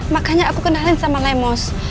makanya aku kenalin sama lemos